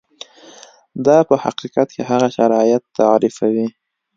دا په حقیقت کې هغه شرایط تعریفوي.